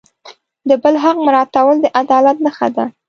د بل حق مراعتول د عدالت نښه ده.